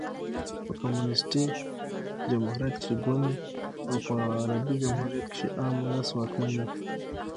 په کمونيسټي جمهوریت کښي ګوند او په عربي جمهوریت کښي عام اولس واکمن يي.